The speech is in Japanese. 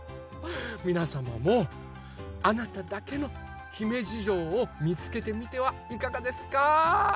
みなさまもあなただけのひめじじょうをみつけてみてはいかがですか？